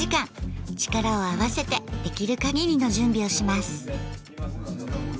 力を合わせてできる限りの準備をします。